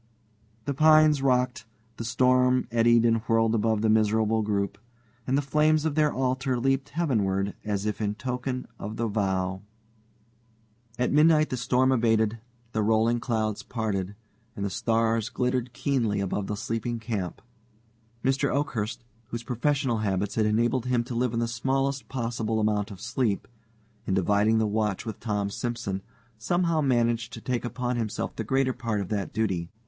The pines rocked, the storm eddied and whirled above the miserable group, and the flames of their altar leaped heavenward as if in token of the vow. At midnight the storm abated, the rolling clouds parted, and the stars glittered keenly above the sleeping camp. Mr. Oakhurst, whose professional habits had enabled him to live on the smallest possible amount of sleep, in dividing the watch with Tom Simson somehow managed to take upon himself the greater part of that duty.